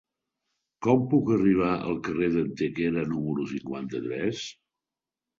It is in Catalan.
Com puc arribar al carrer d'Antequera número cinquanta-tres?